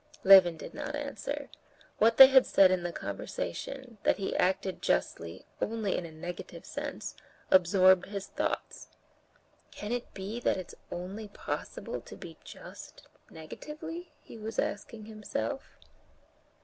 Levin did not answer. What they had said in the conversation, that he acted justly only in a negative sense, absorbed his thoughts. "Can it be that it's only possible to be just negatively?" he was asking himself.